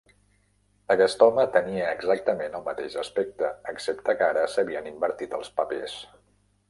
Aquest home tenia exactament el mateix aspecte, excepte que ara s'havien invertit els papers.